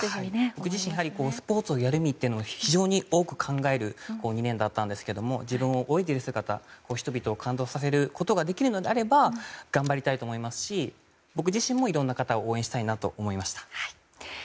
僕自身スポーツをやる意味を多く考える２年だったですが自分が泳いでいる姿で人々を感動させることができるのであれば頑張りたいと思いますし僕自身もいろんな方を応援したいなと思いました。